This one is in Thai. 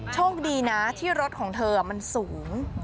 โชคดีนะที่รถของเธอมันสูง